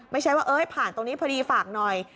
ไม่ใช่ว่าผ่านตรงนี้พอดีฝากหน่อย